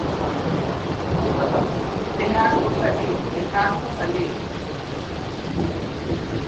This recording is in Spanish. ¡ dejadnos salir! ¡ dejadnos salir!